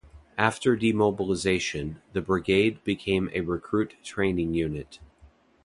After demobilization, the brigade became a recruit training unit.